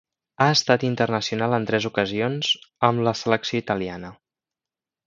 Ha estat internacional en tres ocasions amb la selecció italiana.